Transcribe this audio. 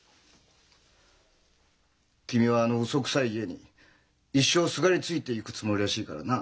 君はあのウソくさい家に一生すがりついていくつもりらしいからな。